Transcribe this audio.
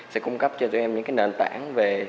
sẽ cung cấp cho tụi em những cái nền tảng về